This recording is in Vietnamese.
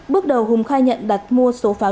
bước đầu hùng khai nhận đặt mua số pháo